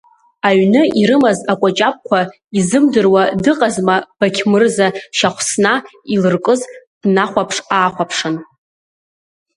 Аҩны ирымаз акәаҷабқәа изымдыруа дыҟазма Бақьмырза, Шьахәсна илыркыз днахәаԥш-аахәаԥшын…